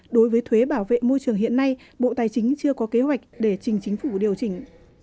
đối với thuế bảo vệ môi trường hiện nay bộ tài chính chưa có kế hoạch để trình chính phủ điều chỉnh